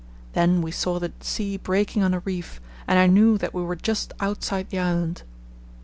Then we saw the sea breaking on a reef, and I knew that we were just outside the island.